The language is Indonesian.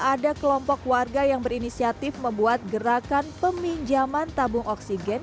ada kelompok warga yang berinisiatif membuat gerakan peminjaman tabung oksigen